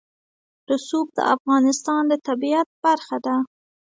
رسوب د افغانستان د طبیعت برخه ده.